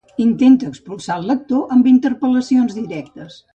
Intenta expulsar el lector amb interpel·lacions directes.